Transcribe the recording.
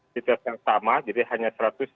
sitas yang sama jadi hanya satu ratus tiga puluh